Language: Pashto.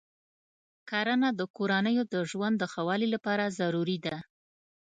کرنه د کورنیو د ژوند د ښه والي لپاره ضروري ده.